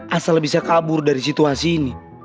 asal bisa kabur dari situasi ini